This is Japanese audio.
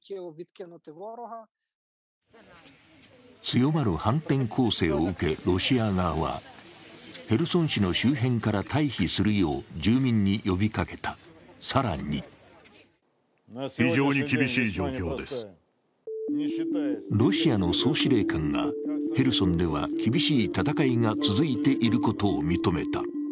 強まる反転攻勢を受け、ロシア側はヘルソン市の周辺から退避するよう住民に呼びかけた、更にロシアの総司令官がヘルソンでは厳しい戦いが続いていることを認めた。